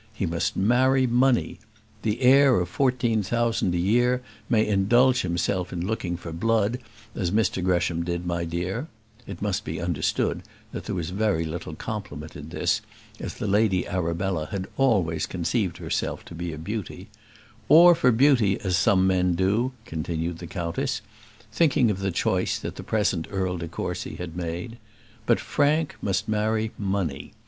He must marry money. The heir of fourteen thousand a year may indulge himself in looking for blood, as Mr Gresham did, my dear" it must be understood that there was very little compliment in this, as the Lady Arabella had always conceived herself to be a beauty "or for beauty, as some men do," continued the countess, thinking of the choice that the present Earl de Courcy had made; "but Frank must marry money.